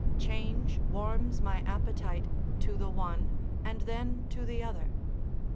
Change warms my appetite to the one and then to the other.